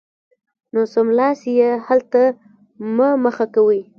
نو سملاسي یې حل ته مه مخه کوئ